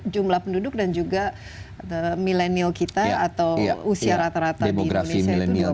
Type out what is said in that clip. jumlah penduduk dan juga milenial kita atau usia rata rata di indonesia itu dua puluh tiga puluh tahun yang harusnya